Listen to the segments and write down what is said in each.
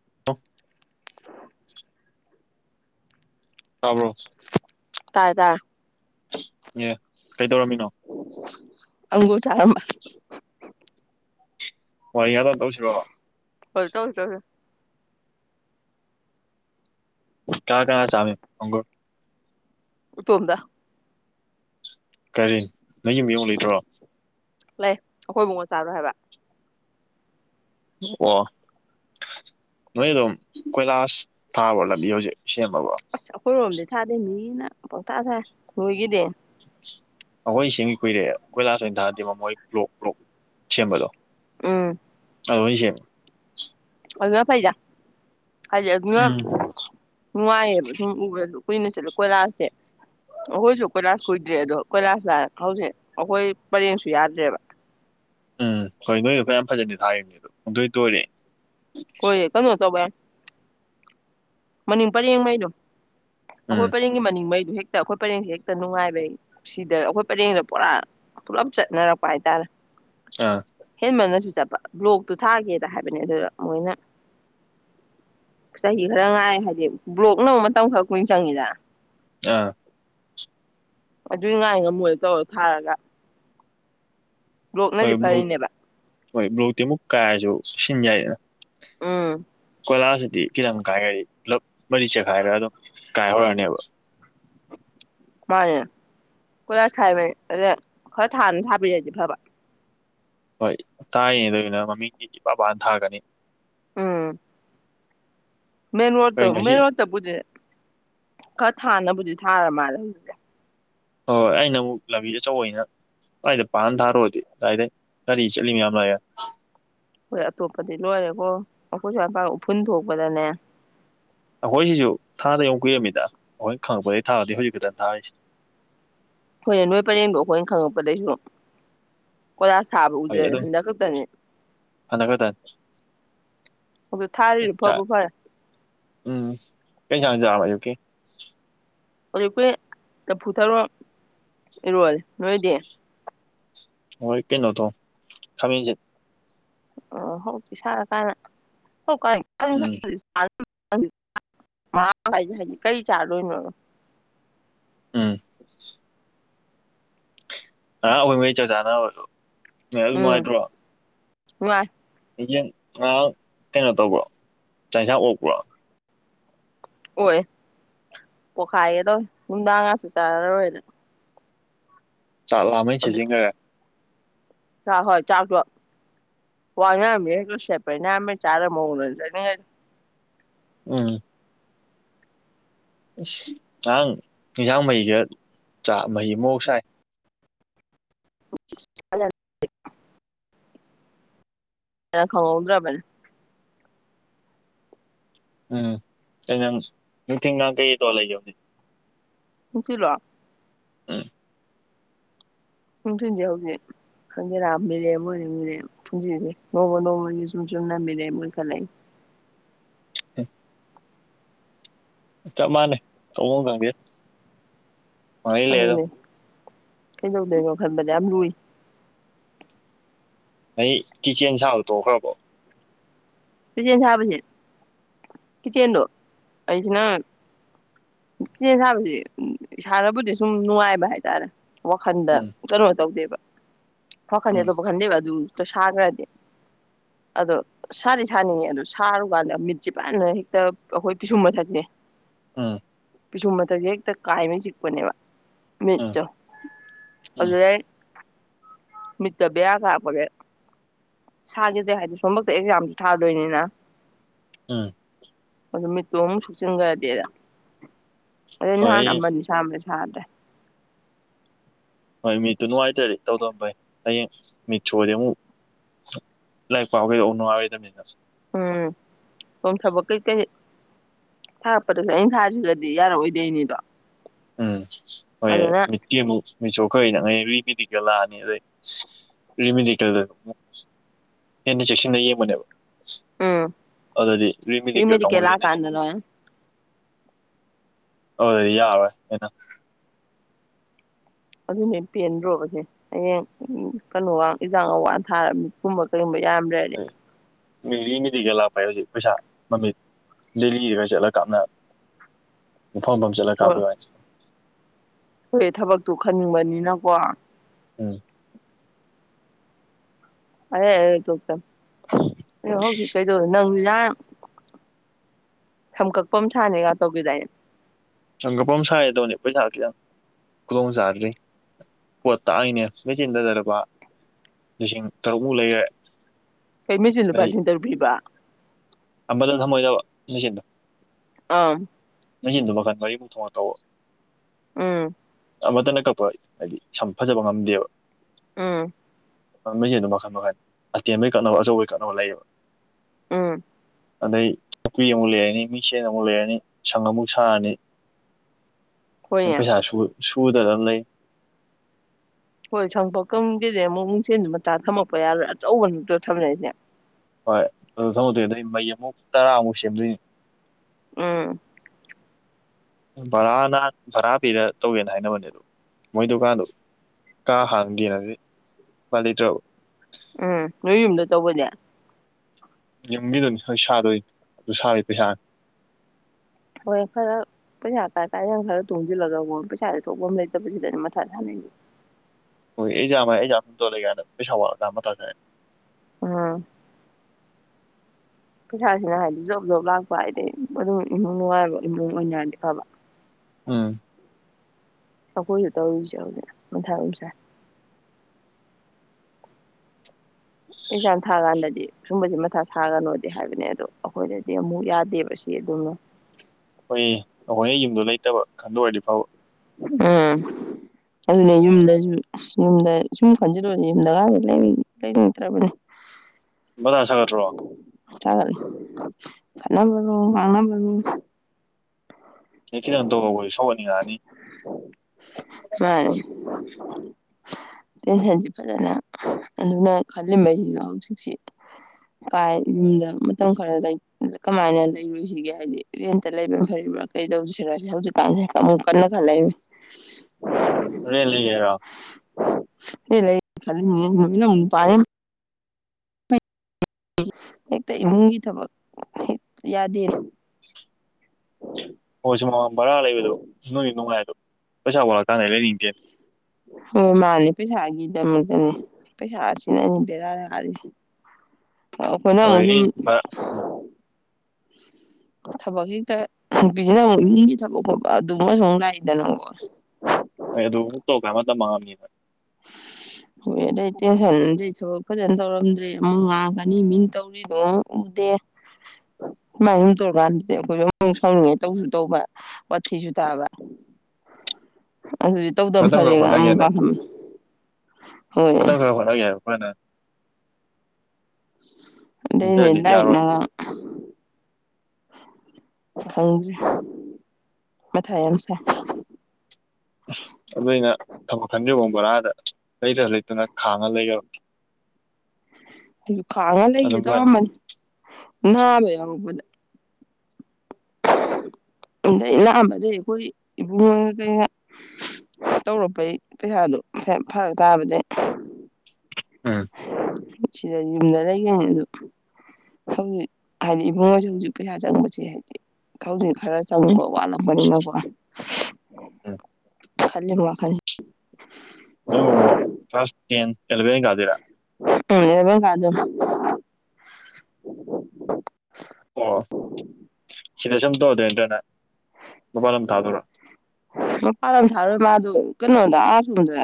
[unintelligible] ꯇꯥꯕ꯭ꯔ꯫ꫭ ꯇꯥꯔꯦ ꯇꯥꯏ꯫ ꯑꯦ ꯀꯩꯗꯧꯔꯝꯃꯤꯅꯣ꯫ ꯑꯪꯒꯨꯔ ꯆꯥꯔꯝꯕ꯫ ꯍꯣꯏ ꯌꯥꯗ ꯇꯧꯁꯤꯔꯣ꯫ [unintelligible] ꯀ ꯀꯥ ꯆꯥꯃꯤ ꯑꯪꯒꯨꯔ ꯎ ꯇꯣꯟꯗ ꯀꯔꯤ ꯅꯪꯒꯤ ꯃꯑꯣꯡ ꯂꯩꯇ꯭ꯔꯣ ꯂꯩ ꯑꯩꯈꯣꯏꯕꯨꯡꯉ ꯆꯥꯔꯣꯏ ꯍꯥꯏꯕ ꯑꯣ ꯅꯣꯏ ꯑꯗꯨꯝ ꯀꯣꯏꯂꯥꯁ ꯊꯥꯕ ꯂꯝꯕꯤ ꯍꯧꯖꯤꯛ ꯁꯦꯝꯃꯕ꯭ꯔꯣ ꯑꯁ ꯑꯩꯈꯣꯏꯔꯣꯝꯗꯤ ꯊꯥꯗꯦ ꯃꯤꯅ ꯄꯊꯁꯦ ꯍꯣꯏꯒꯤꯗꯦ ꯑꯩꯈꯣꯏ ꯁꯦꯝ ꯀꯨꯏꯔꯦ ꯑꯩꯈꯣꯏ ꯂꯥꯁ ꯑꯣꯏꯅ ꯊꯥꯔꯗꯤ ꯃ ꯃꯣꯏ ꯕ꯭ꯂꯣꯛ ꯭ꯂꯣꯛ ꯁꯦꯝꯕꯗꯣ ꯎꯝ ꯑꯁꯦ ꯑꯣ ꯐꯩꯖ ꯍꯥꯏꯗꯤ ꯑꯗꯨꯅ ꯎꯝ ꯅꯨꯡꯉꯥꯏꯌꯦꯕ ꯁꯨꯝ ꯎꯕꯁꯨ ꯀꯨꯏꯅ ꯆꯠꯂꯦ ꯀꯣꯏꯂꯥꯁꯁꯦ ꯑꯩꯈꯣꯏꯁꯨ ꯀꯣꯏꯂꯥꯁ ꯀꯨꯏꯗ꯭ꯔꯦ ꯑꯗꯣ ꯀꯣꯏꯂꯥꯁꯅ ꯍꯧꯖꯤꯛ ꯑꯩꯈꯣꯏ ꯄꯔꯦꯡꯁꯨ ꯌꯥꯗ꯭ꯔꯦꯕ ꯎꯝ ꯍꯣꯏ ꯅꯣꯏꯅꯄꯥꯣꯏ ꯌꯥꯝ ꯐꯖꯅꯤ ꯊꯥꯔꯤꯕꯅꯤ ꯑꯗꯣ ꯄꯨꯡꯗꯣꯏ ꯇꯣꯏꯔꯦ ꯀꯣꯏ ꯀꯩꯅꯣ ꯇꯥꯏ ꯃꯅꯤꯡ ꯄꯔꯦꯡꯉꯩꯅꯣ ꯎꯝ ꯑꯩꯈꯣꯏ ꯄꯅꯤꯡꯒꯤ ꯃꯅꯤꯡꯉꯩꯗꯨꯣ ꯍꯦꯛ ꯍꯦꯛꯇ ꯑꯩꯈꯣꯏ ꯄꯔꯦꯡꯁꯦ ꯍꯦꯛꯇ ꯅꯨꯡꯉꯥꯏꯕꯩ ꯁꯤꯗ ꯑꯩꯈꯣꯏ ꯄꯔꯦꯡꯗ ꯄꯨꯔꯥ ꯄꯨꯂꯞ ꯆꯠꯅꯔꯛꯄ ꯍꯥꯏꯇꯥꯔꯦ ꯑꯥ ꯅꯁꯨ ꯆꯠꯄ ꯕ꯭ꯂꯣꯛꯇꯨ ꯊꯥꯒꯦꯅ ꯍꯥꯏꯕꯅꯦ ꯑꯗꯨꯗ ꯃꯣꯏꯅ ꯆꯍꯤ ꯈꯔ ꯉꯥꯏ ꯍꯥꯏꯗꯤ ꯕ꯭ꯂꯣꯛꯅ ꯃꯇꯝ ꯈꯔ ꯀꯨꯏꯅ ꯆꯪꯉꯤꯗ ꯑꯥ ꯑꯗꯨꯏ ꯉꯥꯏ ꯉꯝꯃꯣꯏꯅ ꯇꯧꯔꯣ ꯊꯥꯔꯒ ꯕ꯭ꯂꯣꯛꯅꯗꯤ ꯍꯣꯏ ꯭ꯔ ꯐꯔꯤꯅꯦꯕ ꯍꯣꯏ ꯭ꯔꯨꯇꯃꯨꯛ ꯀꯌꯥꯁꯨ ꯁꯤꯟꯖꯥꯏꯗ ꯎꯝ ꯀꯣꯂꯥꯁꯤꯗꯤ ꯈꯤꯇꯪ ꯀꯥꯏꯈ꯭ꯔꯗꯤ ꯄꯨꯞ ꯃꯔꯤ ꯆꯦꯈꯥꯏꯔꯒ ꯑꯗꯨꯝ ꯀꯥꯏꯍꯧꯔꯅꯦꯕ ꯃꯥꯅꯦ ꯀꯣꯏꯂꯥꯁ ꯊꯥꯏꯃꯦ ꯈꯔ ꯊꯥꯅ ꯊꯥꯕꯤꯔꯛꯁꯦ ꯐꯕ ꯍꯣꯏ ꯇꯥꯏꯉꯗꯒꯤꯅ ꯃꯃꯤꯡꯒꯤ ꯏꯄꯥꯕꯥꯟ ꯊꯥꯒꯅꯤ ꯎꯝ ꯃꯦꯟ ꯔ ꯀꯩ ꯃ ꯉꯁꯤ ꯔꯇ ꯄꯨꯦ ꯍꯥꯟꯅꯕꯨꯗꯤ ꯊꯥꯔ ꯃꯥꯜꯂꯦ ꯍꯧꯖꯤ ꯍꯣꯏ ꯍꯣꯏ ꯑꯩꯅ ꯑꯃꯨꯛ ꯂꯝꯕꯤꯗ ꯑꯆꯧꯕꯩꯅ ꯑꯗꯨꯋꯥꯏꯗ ꯄꯥꯅ ꯊꯥꯔꯨꯔꯗꯤ ꯑꯗꯨꯗꯥꯏꯗꯩ ꯒꯥꯔꯤ ꯆꯠꯂꯤ ꯃꯌꯥꯝ ꯂꯥꯛꯑꯦ ꯍꯣꯏ ꯑꯇꯣꯞꯄꯗꯤ ꯂꯣꯏꯔꯦꯀꯣ ꯑꯩꯈꯣꯏꯁꯨ ꯑꯄꯥ ꯎꯐꯨꯟ ꯊꯣꯛꯄꯗꯅꯦ ꯑꯩꯈꯣꯏ ꯁꯤꯁꯨ ꯊꯥꯗ ꯑꯃꯨꯛ ꯀꯨꯏꯔꯝꯃꯤꯗ ꯑꯩꯈꯣꯏꯅ ꯈꯪꯉꯛꯄꯗꯒꯤ ꯊꯥꯔꯗꯤ ꯍꯧꯖꯤꯛ ꯛꯇꯪ ꯊꯥꯔꯤꯁꯦ ꯑꯩꯈꯣꯏꯅ ꯅꯣꯏ ꯄꯔꯦꯡꯗ ꯑꯩꯈꯣꯏꯅ ꯈꯪꯉꯛꯄꯗꯒꯤꯩꯁꯨ ꯀꯣꯏꯔꯥ ꯁꯥꯕ ꯍꯣꯏ ꯎꯗ꯭ꯔꯦ ꯑꯗꯨꯝ ꯍꯟꯗꯛ ꯈꯛꯇꯅꯦ ꯍꯟꯗꯛ ꯈꯛꯇꯪ ꯍꯧ ꯊꯥꯔꯤꯔꯣ ꯆꯥꯛ ꯐꯕ ꯐꯔꯦ ꯌꯥꯖꯕ ꯌ ꯀꯦ ꯍꯧꯖꯤꯛꯈꯨꯣꯏ ꯆꯐꯨꯊꯔꯣ ꯏꯔꯣꯦ ꯅꯣꯏꯗꯤ ꯍꯣꯏ ꯀ ꯅꯠꯇ ꯈꯃꯤꯖ ꯑꯣ ꯍ ꯄ ꯁꯅ ꯀꯅ ꯍ ꯀꯥꯏ ꯝ ꯎꯝ ꯊꯝ ꯃꯥ ꯍꯥꯏꯗꯤ ꯍꯥꯏꯗꯤ ꯀꯔꯤ ꯆꯥꯔꯗꯣꯏꯅꯣꯣ [unintelligible] [inaudible] ꯎꯝ ꯑ ꯎꯃꯤ ꯆꯖꯥꯟꯣ ꯃꯥꯏꯇ ꯋꯥ ꯋꯥ ꯍꯡ ꯉꯥꯡ ꯀꯩꯅꯣ ꯇꯧꯕ꯭ꯔꯣ ꯆꯪꯁꯥꯡ ꯑꯣꯛꯄ꯭ꯔꯣ ꯑꯣꯏ ꯄꯣꯛꯈꯥꯏꯒꯦ ꯇꯧ ꯅꯨꯡꯗꯥꯡ ꯉꯥꯁꯨ ꯆꯥꯔꯔꯣꯏꯗꯅ ꯆꯥꯛ ꯂꯥꯃꯩꯅ ꯁꯤꯖꯤꯟꯈ꯭ꯔꯦ ꯍꯥꯛ ꯍꯣꯏ ꯆꯥꯛ ꯋꯥ ꯉꯔꯃꯦ ꯁꯦꯄꯌꯥꯝꯃꯦ ꯆꯥꯔ ꯃ ꯎꯝ ꯑꯁ ꯉꯔꯥꯡ ꯏꯟꯖꯥꯡ ꯃꯍꯤꯒ ꯆ ꯃꯍꯤ ꯑꯃꯥꯎ ꯁꯥꯏ ꯆ ꯍꯅ ꯈꯉꯎꯗ꯭ꯔꯕꯔ ꯎꯝ ꯑꯩꯅ ꯅꯨꯡꯊꯤꯟꯗꯥꯡ ꯀꯩꯇꯣ ꯂꯩꯗꯧꯅꯦ ꯄꯨꯂ ꯎꯝ ꯁꯨꯝ ꯊꯨꯟꯁꯤ ꯍꯧꯖꯤꯛ ꯈꯪꯗꯦꯔꯥ ꯃꯤꯔꯦ ꯃꯦ ꯃꯦꯟꯁꯦ ꯅꯃ ꯅꯃꯣꯟꯅꯤ ꯁꯨꯝ ꯆꯨꯝꯅꯥꯕꯤꯔꯦꯃ ꯈ ꯂꯩ ꯆꯞ ꯃꯥꯟꯅꯩ ꯀꯃ ꯀꯪꯒꯦ ꯋꯥ ꯂꯩꯗ ꯀꯩꯗꯧꯗꯕ ꯈꯟꯗꯅꯦ ꯂꯏ ꯑꯩ ꯀꯤꯠꯆꯦꯟ ꯁꯥꯕ ꯇꯣꯛꯈ꯭ꯔꯕꯣ ꯀꯤꯆꯦꯟ ꯁꯥꯕꯁꯦ ꯀꯤꯆꯦꯟꯗꯣ ꯑꯩꯁꯤꯅ ꯀꯆꯦꯟ ꯁꯥꯕꯕꯁꯤꯦ ꯁꯥꯟꯕꯨꯗꯤ ꯁꯨꯝ ꯅꯨꯡꯉꯥꯏꯕ ꯍꯥꯏꯇꯥꯔꯦ ꯋꯥꯈꯟꯗ ꯎꯝ ꯀꯩꯅꯣ ꯇꯧꯗꯦꯕ ꯐꯈꯥꯟ ꯎꯝ ꯌꯥꯣ ꯐꯈꯥꯟ ꯂꯩꯦ ꯋꯥ ꯑꯗꯨ ꯁꯥꯒ꯭ꯔꯗꯤ ꯑꯗꯨ ꯁꯥꯗꯤ ꯁꯥꯅꯤꯡꯉꯦ ꯑꯗꯨꯣ ꯁꯥꯔꯨꯀꯥꯟꯗ ꯃꯤꯠꯁꯦ ꯐꯖꯅ ꯍꯦꯛꯇ ꯑꯩꯈꯣꯏ ꯄꯤꯁꯨꯝ ꯃꯊꯛꯅꯦ ꯎꯝ ꯄꯤꯁꯨꯝ ꯃꯊꯛꯁꯦ ꯍꯦꯛꯇ ꯀꯥꯏꯅ ꯆꯤꯛꯄꯅꯦꯕ ꯎꯝ ꯃꯤꯠꯇꯣ ꯎꯝ ꯑꯗꯨ ꯃꯤꯠꯇ ꯕꯦꯌꯥ ꯀꯥꯄꯒꯦ ꯁꯥꯈꯤꯁꯦ ꯍꯥꯏꯗꯤ ꯁꯣꯝꯃꯛꯇ ꯑꯦꯛꯖꯥꯝ ꯊꯥꯗꯣꯏꯅꯤꯅ ꯎꯝ ꯑꯗꯨ ꯃꯤꯠꯇꯣ ꯑꯃꯨꯛ ꯁꯣꯛꯆꯤꯟꯈ꯭ꯔꯗꯤꯦꯗ ꯑꯗꯨ ꯍꯣꯏ ꯍꯌꯦꯡ ꯍꯥꯟꯝꯕꯅꯤ ꯁ꯭ꯔ ꯑꯗꯦ ꯍꯣꯏ ꯃꯤꯠꯇꯨ ꯅꯨꯡꯉꯥꯏꯇ꯭ꯔꯗꯤ ꯇꯧꯗ ꯐꯩ ꯍꯌꯦꯡ ꯃꯤꯠ ꯁꯣꯗꯤ ꯑꯃꯨꯛ ꯂꯥꯏꯔꯤꯛ ꯄꯥꯎ ꯀꯩꯗꯧꯕ ꯅꯨꯡꯉꯥꯏꯔꯣꯏꯗꯕꯅꯤꯅ ꯎꯝ ꯁꯣꯝ ꯊꯕꯛ ꯀꯩꯀꯩ ꯊꯥꯔꯛꯄꯗꯁꯨ ꯑꯪ ꯊꯥꯁꯤꯒꯗꯤ ꯌꯥꯔꯛꯑꯣꯏꯗꯣꯏꯅꯤꯗꯣ ꯎꯝ ꯍꯣꯏ ꯑꯗꯨꯅ ꯃꯤꯠꯇꯤꯕꯨ ꯃꯤꯆꯣꯛꯈꯩꯅꯉ ꯔꯤꯃꯦꯗꯤꯀꯦꯜ ꯂꯥꯛꯑꯅꯤ ꯑꯗꯩ ꯔꯤꯃꯦꯗꯤꯀꯦꯜꯗ ꯑꯃꯨꯛ ꯍꯦꯟꯅ ꯆꯦꯛꯁꯤꯟꯅꯟꯅ ꯌꯦꯡꯕꯅꯦꯕ ꯎꯝ ꯑꯗꯨꯗꯗꯤ ꯔꯔꯤꯃꯤꯅꯤ ꯁꯤ ꯀꯦꯜꯀ ꯑꯃ ꯃꯦꯗꯤꯀꯦꯜ ꯂꯤꯅ ꯂꯥꯛꯀꯥꯟꯗꯅꯦ ꯑꯣꯗ ꯏ ꯌꯥꯕ ꯍꯗ ꯑꯗꯨꯅ ꯄꯦꯟꯗ꯭ꯔꯣꯕꯁꯦ ꯍꯌꯦꯡ ꯀꯩꯅꯣꯒ ꯏꯟꯖꯥꯡꯒꯋꯥ ꯊꯥꯒꯨꯝꯕ ꯀꯩꯒꯨꯝꯕ ꯌꯥꯝ꯭ꯔꯔ ꯃꯤꯔꯤ ꯃꯤꯦꯗꯤꯒ ꯂꯥꯛꯄ ꯍꯥꯏ ꯍꯧꯖꯤꯛ ꯄꯩꯁꯥ ꯃꯃꯤꯠ ꯗꯦꯂꯤꯔꯒ ꯆꯠꯂꯒ ꯀꯥꯞꯅ ꯏꯝꯐꯝꯐꯝꯝ ꯆꯠꯂꯒ ꯍꯣꯏ ꯀꯥꯞꯄꯤꯌꯨꯏꯅꯤ ꯍꯣꯏ ꯊꯕꯛꯇꯨ ꯈꯟꯅꯤꯡꯕꯅꯤꯅꯀꯣ ꯎꯝ ꯑꯦ ꯇꯛꯇ ꯑꯦ ꯍꯧꯖꯤꯛ ꯀꯩꯗꯧꯔꯦ ꯅꯪ ꯅ ꯁꯝꯀꯛꯄ ꯁꯥꯅꯤꯒ ꯇꯧꯒꯦꯗꯥꯏꯅꯦ ꯁꯪꯒꯐꯝ ꯁꯥꯏꯒꯗꯧꯅꯦ ꯄꯩꯁꯥꯥꯁ ꯌꯥꯝꯪ ꯈꯨꯗꯣꯡ ꯆꯥꯗ꯭ꯔꯤ ꯄꯣꯠ ꯇꯥꯛꯏꯅꯦ ꯃꯦꯆꯤꯟ ꯇꯖꯔꯕ ꯂꯤꯁꯤꯡ ꯇꯔꯨꯛꯃꯨꯛ ꯂꯩꯔꯦ ꯀꯩ ꯃꯩꯆꯤꯟ ꯅꯨꯄꯥꯁꯤꯡꯟ ꯇꯔꯨ ꯄꯕ ꯑꯝꯕꯂ ꯊ ꯃꯣꯏꯗꯁꯤꯣ ꯑꯥ ꯃꯆꯤꯟꯗꯨ ꯃꯈꯟ ꯃꯔꯤꯃꯨꯛ ꯊꯣꯡꯉ ꯇꯧꯕ ꯎꯝ ꯑꯃꯇꯅ ꯀꯛꯄ ꯍꯥꯏꯗꯤ ꯁꯝ ꯐꯖꯕ ꯉꯝꯗꯦꯕ ꯑꯥ ꯃꯁꯤꯡꯗꯣ ꯃꯈꯟ ꯃꯈꯟ ꯑꯇꯦꯟꯕꯩ ꯀꯛꯅꯕ ꯑꯆꯧꯕꯩ ꯀꯛꯅꯕ ꯂꯩꯌꯦꯕ ꯎꯝ ꯑꯗꯩ ꯆꯄꯤꯄꯤ ꯑꯃꯨꯛ ꯂꯩꯔꯅꯤ ꯃꯤꯡꯆꯦꯟ ꯑꯃꯨꯛ ꯂꯩꯔꯅꯤ ꯁꯪ ꯑꯃꯨꯛ ꯁꯥꯔꯅꯤ ꯍꯣꯏꯅꯦ ꯄꯩꯁꯥꯁꯨꯨ ꯁꯨꯗꯅ ꯂꯩ ꯍꯣꯏ ꯁꯪꯄꯀꯪꯒꯤꯁꯦ ꯑꯃꯨꯛ ꯅꯨꯡꯊꯦꯜꯗ ꯃꯆꯥ ꯊꯝꯃꯛꯄ ꯌꯥꯔꯣꯏ ꯑꯆꯧꯕ ꯛꯇꯣ ꯊꯝꯅꯏꯁꯦ ꯍꯣꯏ ꯑꯗꯨ ꯊꯝꯃꯛꯇꯣꯏꯗꯣꯏꯅꯤ ꯃꯩ ꯑꯃꯨꯛ ꯇꯔꯥꯃꯨꯛ ꯁꯦꯝꯗꯣꯏꯅꯤ ꯎꯝ ꯚꯔꯥꯅ ꯚꯔꯥ ꯄꯤꯔ ꯇꯧꯒꯦꯅ ꯍꯥꯏꯅꯕꯅꯦ ꯑꯗꯨ ꯃꯣꯏ ꯗꯨꯀꯥꯟꯗꯣ ꯀꯥ ꯍꯥꯡꯒꯦꯅꯗꯤ ꯀꯄꯥ ꯂꯩꯇ꯭ꯔꯕ ꯎꯝ ꯅꯣꯏ ꯌꯨꯝꯗ ꯇꯧꯕꯅꯦ ꯌꯦꯡꯕꯤꯗꯣꯏꯅꯤ ꯍꯣꯏ ꯁꯥꯗꯣꯏ ꯑꯗꯨ ꯁꯥꯣꯏ ꯄꯩꯁꯥ ꯍꯣꯏ ꯈꯔ ꯄꯩꯁꯥ ꯀꯥꯏ ꯀꯥꯏꯗ ꯈꯔ ꯇꯨꯡꯁꯤꯜꯂꯒ ꯑꯃ ꯄꯩꯁꯥꯥꯁꯦ ꯊꯣꯛꯄ ꯑꯃ ꯂꯩꯇꯕꯁꯤꯗ ꯃꯊꯥ ꯊꯥꯅꯤꯡꯉꯦ ꯍ ꯑꯩꯖꯥꯏ ꯑꯩꯖꯥ ꯆꯂꯒꯦꯗ ꯄꯩꯁꯋꯥ ꯌꯥꯝꯃ ꯇꯦ ꯑꯥ ꯄꯩꯁꯥꯁꯤꯅ ꯍꯥꯏꯗꯤ ꯖꯣꯕ ꯖꯣꯕ ꯂꯥꯛꯄ ꯍꯥꯏꯗꯤ ꯑꯗꯨꯝ ꯏꯃꯨꯡ ꯅꯨꯡꯉꯥꯏꯕ ꯏꯃꯨꯡ ꯑꯣꯏꯅꯔꯗꯤ ꯐꯕ ꯎꯝ ꯑ ꯀꯣꯏꯁꯨ ꯇꯧꯖꯗ ꯃꯊꯔꯁ ꯑꯦꯛꯖꯥꯝ ꯊꯥ ꯀꯥꯟꯗꯗꯤ ꯁꯨꯝꯕꯕꯁꯤ ꯃꯊꯥ ꯁꯥꯒꯅꯣꯗꯤ ꯍꯥꯏꯕꯅꯦ ꯑꯗꯣ ꯑꯩꯈꯣꯏꯗꯗꯤ ꯑꯃꯨꯛ ꯌꯥꯗꯦꯕ ꯁꯤ ꯑꯗꯨꯝꯅ ꯑꯩꯈꯣꯏ ꯅꯈꯣꯏꯅ ꯌꯨꯝꯗꯣ ꯂꯩꯇꯕ ꯈꯟꯗ ꯑꯣꯏꯔꯗꯤ ꯐꯕ ꯎꯝ ꯑꯗꯨꯅꯦ ꯌꯨꯝꯗꯁꯨ ꯌꯨꯝꯗ ꯁꯨꯝ ꯈꯟꯖꯤꯜꯂꯨ ꯌꯨꯝꯗꯀ ꯂꯩꯅꯤꯡꯗ꯭ꯔꯕꯅꯦ ꯁꯒꯇ꯭ꯔꯣ ꯀꯂꯔꯣ ꯃꯥꯉꯔꯣ ꯅ ꯈꯤꯇꯪ ꯇꯧꯧꯕ ꯁꯧꯍꯅꯤ ꯉꯥꯛꯅꯤ ꯃꯥꯅꯦ ꯇꯦꯟꯁꯟꯁꯤ ꯐꯖꯅ ꯑꯗꯨꯅ ꯈꯜꯂꯤꯕꯩꯁꯤꯅ ꯍꯧꯖꯤꯛꯁꯤ ꯀꯥꯏ ꯌꯨꯝꯗ ꯃꯇꯝ ꯈꯔ ꯀꯃꯥꯏꯅ ꯂꯩꯔꯨꯁꯤꯒꯦ ꯍꯥꯏꯗꯤ ꯔꯦꯟꯇ ꯂꯩꯕ ꯐꯔꯤꯕ꯭ꯔꯥ ꯀꯩ ꯇꯧꯁꯤꯔꯁꯦ ꯍꯧꯖꯤꯛꯀꯥꯟꯁꯦ ꯍꯦ ꯑꯃꯨꯛ ꯀꯟꯅ ꯈ ꯂꯩꯅꯤ ꯔꯦꯂꯤꯒꯔꯥ ꯈ ꯍꯡꯅ ꯎ ꯄꯔꯦ ꯍꯦꯛꯇ ꯏꯃꯨꯡꯒꯤ ꯊꯕꯛ ꯍ ꯌꯥꯗꯦ ꯍꯣꯏ ꯁꯤ ꯃꯃ ꯕꯔꯥ ꯂꯩꯕꯗꯣ ꯅꯣꯏ ꯅꯨꯡꯉꯥꯏꯗꯣ ꯄꯩꯁꯥ ꯔ ꯀꯥꯟꯗ ꯂꯩꯅꯤꯡ ꯀꯦ ꯍꯣꯏ ꯃꯥꯅꯦ ꯄꯩꯁꯥꯒꯤꯗꯃꯛꯇꯅꯦ ꯄꯩꯁꯥꯁꯤꯅꯅꯤ ꯕꯦꯔꯥ ꯂꯥꯔꯤꯁꯦ ꯑꯩꯈꯣꯏꯅ ꯍ ꯍꯣꯏ ꯚꯔꯥ ꯊꯕꯛꯁꯤꯦꯛꯇ ꯅꯨꯄꯤꯁꯤꯅ ꯑꯃꯨꯛ ꯃꯤꯒꯤ ꯊꯕꯛ ꯈꯣꯠꯄ ꯑꯗꯨꯃꯁꯨ ꯑꯃꯨꯛ ꯂꯥꯛꯏꯗꯅꯀ ꯍ ꯑꯗꯨꯨ ꯇꯧꯈ ꯑꯃ ꯃꯇꯝ ꯃꯉꯑꯕꯅꯤꯅ ꯍꯣꯏ ꯑꯗꯩ ꯇꯦꯟꯁꯟꯗꯤ ꯊꯕꯛ ꯐꯖꯅ ꯇꯧꯔꯝꯗ꯭ꯔꯦ ꯑꯃꯨꯛ ꯉꯥꯡꯀꯅꯤ ꯃꯤꯅ ꯇꯧꯔꯤꯗꯣ ꯑꯃꯨꯛ ꯎꯗꯦ ꯁꯨꯃꯥꯏ ꯁꯨꯝ ꯇꯧꯔꯀꯥꯟꯗꯗꯤ ꯑꯩꯈꯣꯏꯁꯨ ꯑꯃꯨꯛ ꯁꯧꯅꯤꯡꯉꯦ ꯇꯧꯁꯨ ꯇꯧꯕ ꯋꯥꯊꯤꯁꯨ ꯇꯥꯕ ꯑꯗꯨꯗꯤ ꯇꯧꯗꯕ ꯃꯇꯝ ꯈꯔ ꯐꯔꯦꯒ ꯑꯃꯨꯛ ꯍꯣꯠꯅꯒꯦꯅ ꯀꯥꯐꯝ ꯍꯣꯏ ꯃꯇꯝ ꯈꯔ ꯍꯣꯠꯅꯒꯦ ꯍꯥꯏꯕ ꯑꯩꯈꯣꯏꯅ ꯑꯗ ꯅꯠꯇ꯭ꯔꯗꯤ ꯌꯥꯔꯣꯏ ꯏꯗꯥꯏꯅꯉ ꯈꯪꯗ꯭ꯔꯦ ꯃꯊꯥꯏ ꯌꯥꯝꯁꯦ ꯕꯣꯔꯥꯗ ꯂꯩꯇꯅ ꯂꯩꯇꯅ ꯈꯥꯡꯉ ꯂꯩꯈꯔ ꯑꯗꯨꯁꯨ ꯈꯥꯡꯉ ꯂꯩꯒꯦ ꯐꯅꯤ ꯇꯧꯔꯝꯕꯅꯤ ꯅꯥꯕ ꯌꯥꯎꯔꯛꯄꯗ ꯑꯗꯩ ꯂꯥꯛꯑꯝꯕꯗꯤꯩ ꯑꯩꯈꯣꯏ ꯏꯕꯨꯡꯉ ꯀꯩꯅ ꯇꯧꯔꯛꯄꯩ ꯄꯩꯁꯥꯗꯨꯔ ꯐꯔ ꯇꯥꯕꯗꯩ ꯎꯝ ꯁꯤꯗ ꯌꯨꯝꯗ ꯂꯩꯈꯤꯕꯅꯤ ꯑꯗꯨ ꯍꯧꯖꯤꯛ ꯍꯥꯏꯗꯤ ꯏꯃꯨꯡꯉꯣꯏꯁꯨ ꯍꯧꯖꯤꯛ ꯄꯩꯁꯥ ꯆꯪꯕꯁꯦ ꯍꯥꯏꯗꯤ ꯍꯧꯖꯤꯛ ꯈꯔ ꯆꯪꯕ ꯋꯥꯠꯂꯛꯄꯅꯤꯅꯀꯣ ꯎꯝ ꯈꯜꯂꯤ ꯋꯥꯈꯜꯜꯂꯤ ꯅꯣꯏꯣ ꯀ꯭ꯂꯥꯁ ꯇꯦꯟ ꯑꯦꯂꯚꯦꯟ ꯀꯥꯗꯣꯏꯔꯥ ꯎ ꯀꯥꯖꯣ [inaudible] ꯑꯣ ꯁꯤꯗ ꯁꯨꯝ ꯇꯧꯔꯗꯣꯏ ꯅꯠꯇ꯭ꯔꯅ ꯃꯄꯥꯟ ꯂꯝ ꯊꯥꯗꯣꯔ ꯃꯄꯥꯟ ꯂꯝ ꯊꯥꯔꯣꯏ ꯃꯥꯗ ꯀꯩꯅꯣꯗ ꯑꯥ ꯁꯣꯝꯗ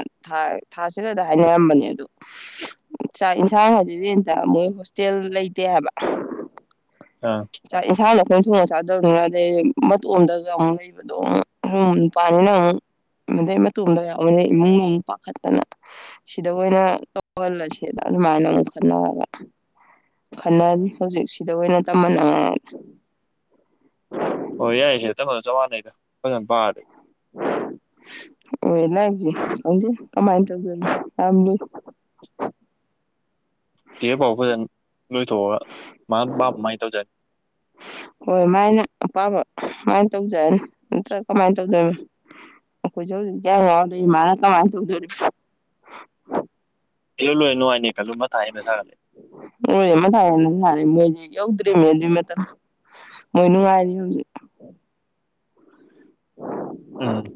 ꯊꯥꯁꯤꯂꯗ ꯍꯥꯏꯅꯔꯝꯕꯅꯦ ꯑꯗꯨꯗ ꯆꯥꯛ ꯌꯦꯟꯁꯥꯡ ꯍꯥꯏꯗꯤꯗꯤꯇ ꯃꯣꯏ ꯍꯣꯁꯇꯦꯜ ꯂꯩꯇꯦ ꯍꯥꯏꯕ ꯑꯥ ꯆꯁꯥ ꯑꯊꯨꯡ ꯑ ꯆꯥꯗꯕꯅꯤꯅ ꯑꯗꯩ ꯃꯇꯣꯝꯗꯒ ꯑꯃꯨꯛ ꯂꯩꯕꯗꯣ ꯑꯃꯨꯛ ꯁꯨꯝ ꯅꯨꯄꯥꯅꯤꯅ ꯑꯃꯨꯛ ꯑꯗꯩ ꯃꯇꯣꯝꯗ ꯌꯥꯎꯕꯅꯤ ꯏꯃꯨꯡꯗ ꯑꯃꯨꯛ ꯄꯥꯈꯠꯇꯅ ꯁꯤꯗ ꯑꯣꯏꯅ ꯇꯧꯍꯜꯂꯁꯦꯅ ꯑꯗꯨꯃꯥꯏꯅ ꯑꯃꯨꯛ ꯈꯟꯅꯔꯒ ꯈ ꯍꯧꯖꯤꯛ ꯁꯤꯗ ꯑꯣꯏꯅ ꯑ ꯑꯣ ꯌꯥꯏꯁꯦ ꯆꯪꯉꯣꯗ ꯆ ꯃꯥꯟꯅꯩꯗ ꯐꯖꯅ ꯄꯥꯔꯗꯤ ꯂꯁꯤ ꯀꯃꯥꯏꯅ ꯇ ꯀꯦ ꯐꯥꯎ ꯐꯖꯅ ꯂꯣꯏꯊꯣꯛꯑꯣꯒ ꯃꯥꯃꯥꯏꯅ ꯇꯧꯖꯔꯦ ꯍꯣꯏ ꯃꯥꯏꯅ ꯑꯄꯥꯝꯕ ꯀꯃꯥꯏꯅ ꯇꯧꯖꯔ ꯅꯠꯇ꯭ꯔ ꯀꯃꯥꯏꯅ ꯇꯧꯖꯣꯏꯔꯤ ꯑꯩꯈꯣꯏꯁꯨ ꯍꯧꯖꯤꯛ ꯌꯥ ꯌꯥꯎꯗꯣꯏ ꯏꯃꯥꯅ ꯀꯃꯥꯏꯅ ꯇꯧꯗꯣꯔꯤꯕ ꯍ ꯂꯣꯏꯅꯅꯨꯡꯉꯅꯤ ꯑꯣꯃ ꯊꯥꯏ ꯊꯔꯦ ꯃꯣꯏ ꯌꯧꯗ꯭ꯔꯤꯅꯦ ꯑꯗꯨꯏ ꯃꯇꯝ ꯃꯣꯏ ꯅꯨꯡꯉꯥꯏꯔꯤ ꯍꯧꯖꯤꯛ ꯎꯝꯝ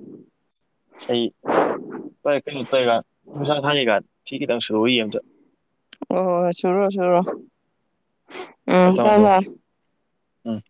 ꯁ ꯀꯩꯅꯣ ꯇꯧꯔꯒ ꯅꯨꯡꯁꯥ ꯊꯥꯅꯩꯒ ꯁꯤ ꯈꯤꯇꯪ ꯁꯨꯔꯨꯏꯌꯦ ꯑꯝꯇ ꯍꯣꯏ ꯍꯣꯏ ꯍꯣꯏ ꯁꯨꯔꯣ ꯁꯨꯔꯣ ꯍꯣꯏ ꯎꯝ ꯊꯝꯃꯦ ꯊꯝꯃꯦ [unintelligible] ꯎꯝ